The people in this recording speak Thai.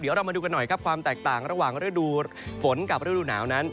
เดี๋ยวเรามาดูกันหน่อยครับความแตกต่างระหว่างฤดูฝนกับฤดูหนาวนั้น